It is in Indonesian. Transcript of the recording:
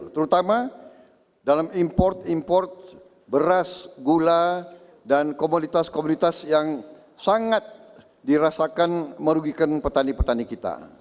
terutama dalam import import beras gula dan komoditas komoditas yang sangat dirasakan merugikan petani petani kita